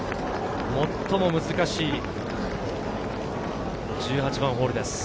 最も難しい１８番ホールです。